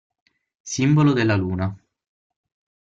Simbolo della luna.